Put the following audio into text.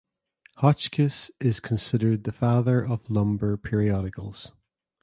Hotchkiss is considered the father of lumber periodicals.